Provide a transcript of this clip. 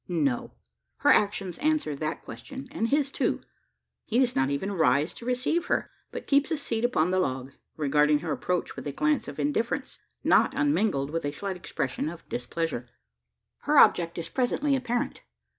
No. Her actions answer the question; and his too. He does not even rise to receive her, but keeps his seat upon the log regarding her approach with a glance of indifference, not unmingled with a slight expression of displeasure. Her object is presently apparent.